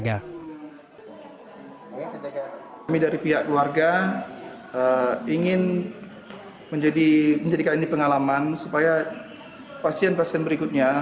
kami dari pihak keluarga ingin menjadikan ini pengalaman supaya pasien pasien berikutnya